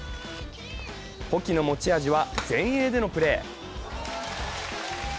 保木の持ち味は前衛でのプレー。